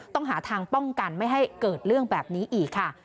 ต้องหาทางป้องกันไม่ให้เกิดเรื่องแบบนี้อีกค่ะ